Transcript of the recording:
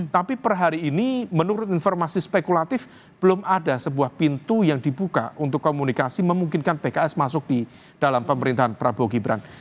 tapi per hari ini menurut informasi spekulatif belum ada sebuah pintu yang dibuka untuk komunikasi memungkinkan pks masuk di dalam pemerintahan prabowo gibran